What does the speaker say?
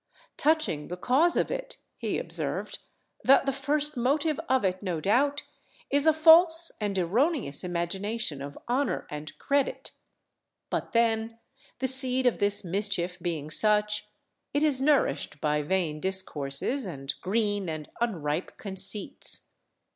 Touching the cause of it," he observed, "that the first motive of it, no doubt, is a false and erroneous imagination of honour and credit; but then, the seed of this mischief being such, it is nourished by vain discourses and green and unripe conceits.